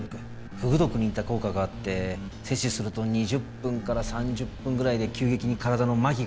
フグ毒に似た効果があって摂取すると２０分から３０分ぐらいで急激に体の麻痺が始まる。